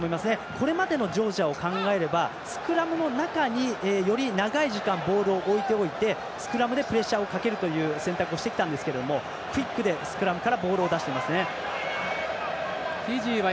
これまでのジョージアを考えればスクラムの中に、より長い時間ボールを置いておいてプレッシャーをかけるという選択をしてきたんですがクイックでスクラムからボールを出していますね。